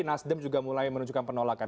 nasdem juga mulai menunjukkan penolakan